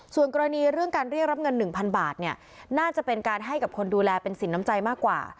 ส่วนกรณีเรื่องการเรียกรับเงิน๑๐๐บาทเนี่ยน่าจะเป็นการให้กับคนดูแลเป็นสินน้ำใจมากกว่า